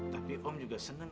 tapi om juga senang